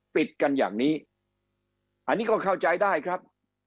ปิดกันอย่างนี้อันนี้ก็เข้าใจได้ครับ